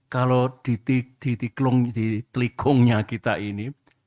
kalau ditelikungnya kita ini